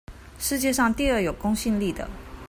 世界上第二有公信力的